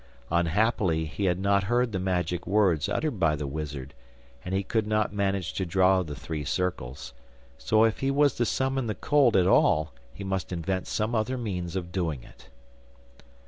Unhappily he had not heard the magic words uttered by the wizard, and he could not manage to draw the three circles, so if he was to summon the colt at all he must invent some other means of doing it.